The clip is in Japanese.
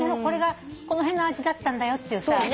この辺の味だったんだよっていうさ。